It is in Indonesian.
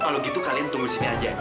kalau gitu kalian tunggu sini aja